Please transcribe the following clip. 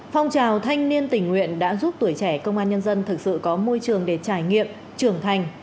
phong trào thanh niên tình nguyện đã giúp tuổi trẻ công an nhân dân thực sự có môi trường để trải nghiệm trưởng thành